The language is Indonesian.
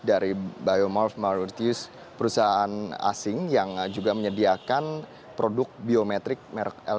dari biomorph marutius perusahaan asing yang juga menyediakan produk biometrik l satu